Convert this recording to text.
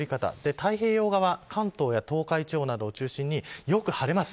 太平洋側、関東や東海地方を中心によく晴れます。